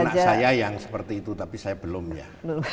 anak saya yang seperti itu tapi saya belum ya